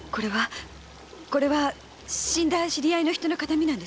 これは死んだ知り合いの形見なんです。